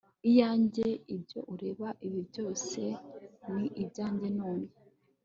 iyanjye ibyo ureba ibi byose ni ibyanjye none